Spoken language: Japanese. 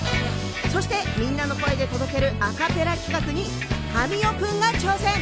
そして、みんなの声で届けるアカペラ企画に神尾君が挑戦。